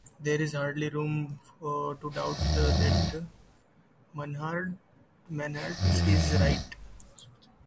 There is hardly room to doubt that Mannhardt is right.